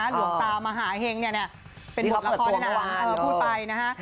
หลวงตามหาเห็งเนี่ยเป็นบทละครหนังพูดไปนะฮะ